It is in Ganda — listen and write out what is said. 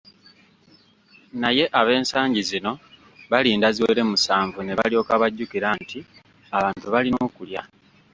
Naye ab'ensangi zino balinda ziwere musanvu ne balyoka bajjukira nti abantu balina okulya.